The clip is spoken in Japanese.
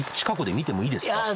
近くで見てもいいですか？